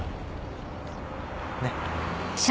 ねっ。